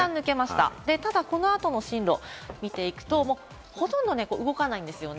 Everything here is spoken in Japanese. この後の進路を見ていくと、ほとんど動かないんですよね。